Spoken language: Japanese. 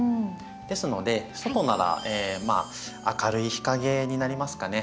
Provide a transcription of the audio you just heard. ですので外ならまあ明るい日陰になりますかね